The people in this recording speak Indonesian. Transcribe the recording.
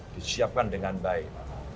disiapkan dengan baik